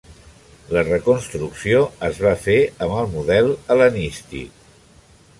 La reconstrucció es va fer amb el model hel·lenístic.